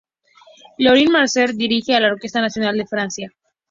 Lorin Maazel dirige a la Orquesta Nacional de Francia.